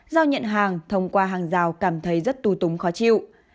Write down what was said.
giao nhận hàng thông qua hàng rào cảm thấy rất tu túng khó chịu